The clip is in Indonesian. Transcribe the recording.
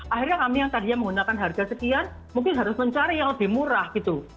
akhirnya kami yang tadinya menggunakan harga sekian mungkin harus mencari yang lebih murah gitu